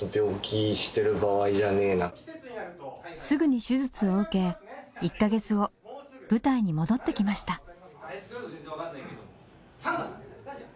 すぐに手術を受け１か月後舞台に戻ってきました。